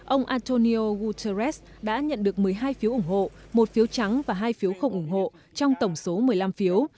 ông antonio guterres đã nhận được một mươi hai phiếu ủng hộ một phiếu trắng và hai phiếu không ủng hộ trong tổng số một mươi năm phiếu